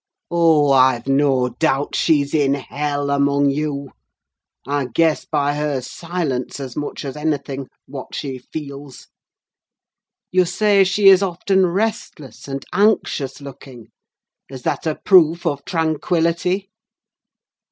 Oh, I've no doubt she's in hell among you! I guess by her silence, as much as anything, what she feels. You say she is often restless, and anxious looking: is that a proof of tranquillity?